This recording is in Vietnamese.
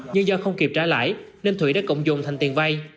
nhưng do không kịp trả lãi nên thụy đã cộng dụng thành tiền vay